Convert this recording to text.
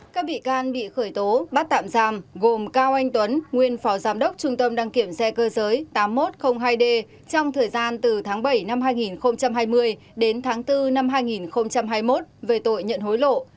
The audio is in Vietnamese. các bị can bị khởi tố bắt tạm giam gồm cao anh tuấn nguyên phó giám đốc trung tâm đăng kiểm xe cơ giới tám nghìn một trăm linh hai d trong thời gian từ tháng bảy năm hai nghìn hai mươi đến tháng bốn năm hai nghìn hai mươi một về tội nhận hối lộ